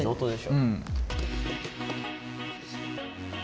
うん。